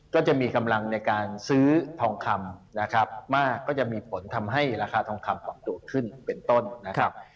ก็จะมีกำลังในการซื้อทองคำนะครับมากก็จะมีผลทำให้ราคาทองคำปรับตัวขึ้นเป็นต้นนะครับ